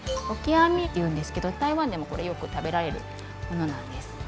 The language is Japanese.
オキアミっていうんですけど台湾でもこれよく食べられるものなんです。